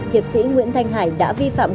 hiệp sĩ nguyễn thanh hải đã vi phạm